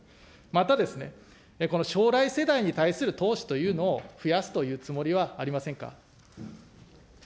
またですね、この将来世代に対する投資というのを、増やすというつもりはありませんか。